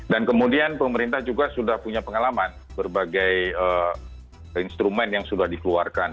dan kemudian pemerintah juga sudah punya pengalaman berbagai instrumen yang sudah dikeluarkan